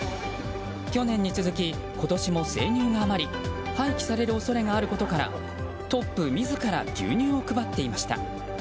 去年に続き、今年も生乳が余り廃棄される恐れがあることからトップ自ら牛乳を配っていました。